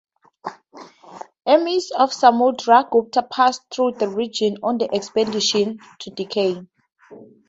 Armies of Samudra Gupta passed through the region on their expedition to Deccan.